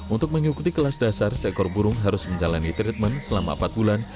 untuk mengikuti kelas dasar seekor burung harus menjalani treatment selama empat bulan